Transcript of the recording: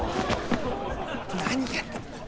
何やってんだよ！